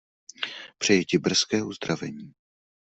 Přeji ti brzké uzdravení.